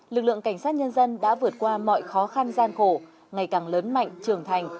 lực lượng cảnh sát nhân dân đã vượt qua mọi khó khăn gian khổ ngày càng lớn mạnh trưởng thành